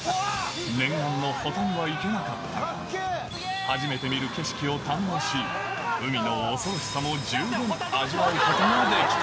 念願の保田には行けなかったが、初めて見る景色を堪能し、海のおそろしさも十分味わうことができた。